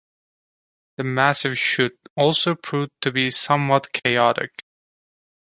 The massive shoot also proved to be somewhat chaotic.